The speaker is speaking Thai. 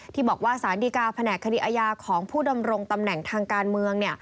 ที่บอกว่าสารดีกาแผนกคดีอาญาของผู้ดำรงตำแหน่งทางการเมือง